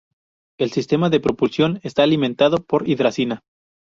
El sistema de propulsión está alimentado por hidracina.